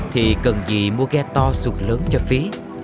thì cần gì mua ghe to sụt lớn cho phí